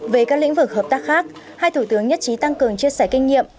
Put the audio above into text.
về các lĩnh vực hợp tác khác hai thủ tướng nhất trí tăng cường chia sẻ kinh nghiệm